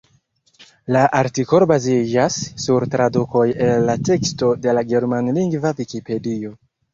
La artikolo baziĝas sur tradukoj el la teksto de la germanlingva vikipedio.